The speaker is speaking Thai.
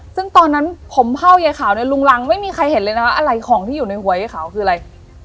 ซึ่งตอนนั้นผมเผ่ายายขาวเนี่ยลุงรังไม่มีใครเห็นเลยนะว่าอะไรของที่อยู่ในหัวยายขาวคืออะไร